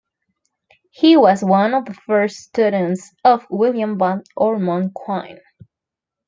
He was one of the first students of Willard Van Orman Quine.